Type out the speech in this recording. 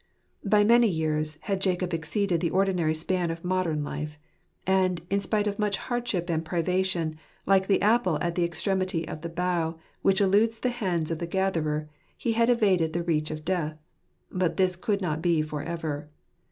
By many years had Jacob exceeded the ordinary span of modem life; and, in spite of much hardship and privation, like the apple at the extremity of the bough, which eludes the hand of the gatherer, he had evaded the reach of death ; but this could not be for ever.